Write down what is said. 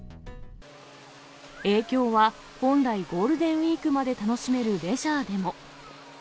影響は本来ゴールデンウィークまで楽しめるレジャーでも。